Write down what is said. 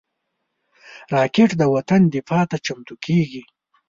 راکټ د وطن دفاع ته چمتو کېږي